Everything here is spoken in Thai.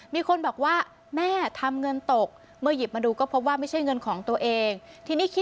มีคนบอกว่าแม่ทำเงินตก